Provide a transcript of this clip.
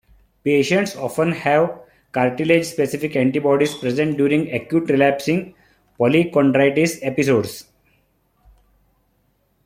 Patients often have cartilage-specific antibodies present during acute relapsing polychondritis episodes.